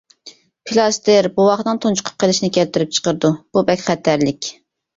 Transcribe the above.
پىلاستىر بوۋاقنىڭ تۇنجۇقۇپ قېلىشىنى كەلتۈرۈپ چىقىرىدۇ، بۇ بەك خەتەرلىك.